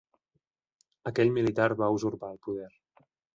Aquell militar va usurpar el poder.